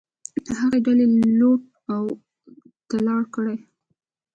هغه ډیلي لوټ او تالا کړ.